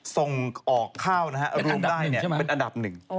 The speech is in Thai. ส่งออกข้าวนะฮะรวมได้เนี่ยเป็นอันดับ๑